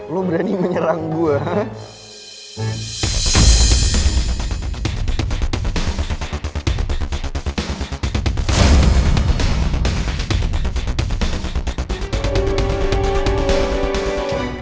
lo berani menyerang gue